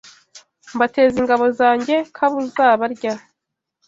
Mbateza ingabo zanjye Kabuzabarya